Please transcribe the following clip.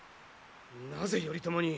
なぜ頼朝に。